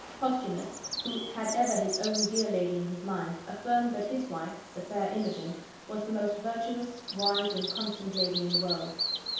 Posthumus, who had ever his own dear lady in his mind, affirmed that his wife, the fair Imogen, was the most virtuous, wise, and constant lady in the world.